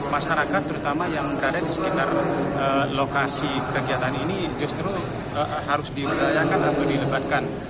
masyarakat terutama yang berada di sekitar lokasi kegiatan ini justru harus diberdayakan atau dilebatkan